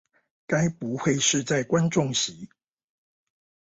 該不會是在觀眾席